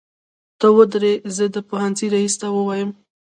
ته ودرې زه د پوهنځۍ ريس ته وويمه.